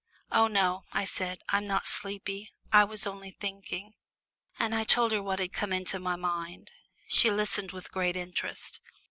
"Oh no," I said, "I'm not sleepy. I was only thinking," and I told her what had come into my mind. She listened with great interest.